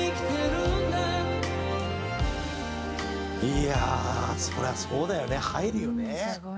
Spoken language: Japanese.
いやあそりゃそうだよね入るよね。